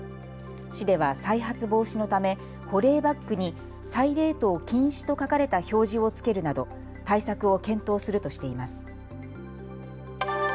市では再発防止のため保冷バッグに再冷凍禁止と書かれた表示を付けるなど対策を検討するとしています。